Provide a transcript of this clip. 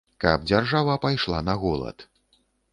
Каб дзяржава пайшла на голад.